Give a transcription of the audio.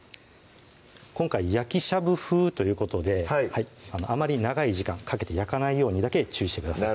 今回「焼きしゃぶ風」ということであまり長い時間かけて焼かないようにだけ注意してください